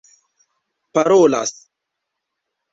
parolas